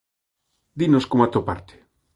Dinos como atoparte.